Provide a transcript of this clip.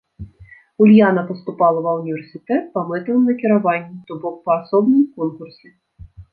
Ульяна паступала ва універсітэт па мэтавым накіраванні, то бок па асобным конкурсе.